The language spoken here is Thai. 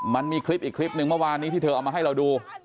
มันมีคลิปอีกคลิปหนึ่งเมื่อวานนี้ที่เธอเอามาให้เราดู